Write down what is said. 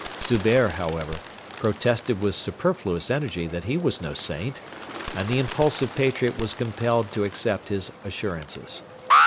Zubehr, however, protested with superfluous energy that he was no saint, and the impulsive patriot was compelled to accept his assurances.